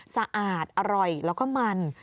สะอาดอร่อยแล้วก็มัน